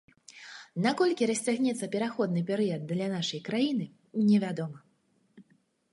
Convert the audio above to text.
На колькі расцягнецца пераходны перыяд для нашай краіны, невядома.